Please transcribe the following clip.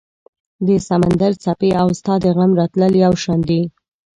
د سمندر څپې او ستا د غم راتلل یو شان دي